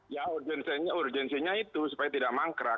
ya urgensinya itu supaya tidak mangkrak